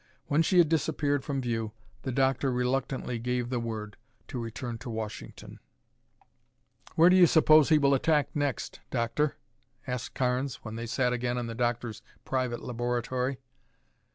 When she had disappeared from view, the doctor reluctantly gave the word to return to Washington. "Where do you suppose he will attack next, Doctor?" asked Carnes when they sat again in the doctor's private laboratory.